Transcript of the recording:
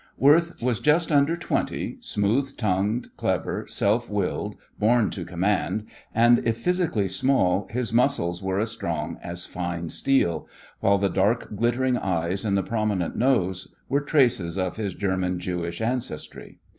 Worth was just under twenty, smooth tongued, clever, self willed, born to command, and, if physically small, his muscles were as strong as fine steel, while the dark, glittering eyes and the prominent nose were traces of his German Jewish ancestry.